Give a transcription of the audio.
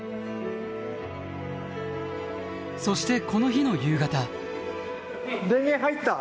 そしてこの日の夕方。